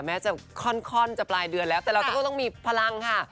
แม้จะค่อนจะปลายเดือนแล้วแต่เราต้องมีพลังค่ะ